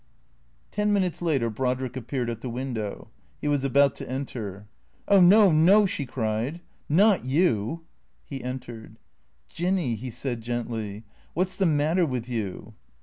Ten minutes later Brodrick appeared at the window. He was about to enter. " Oh, no, no !" she cried. " Not you !" He entered. " Jinny," he said gently, " what 's the matter with you